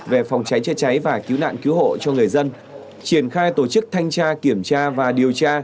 về phòng cháy chữa cháy và cứu nạn cứu hộ cho người dân triển khai tổ chức thanh tra kiểm tra và điều tra